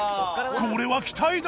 これは期待大